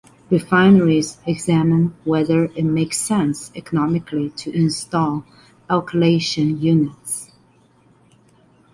Refineries examine whether it makes sense economically to install alkylation units.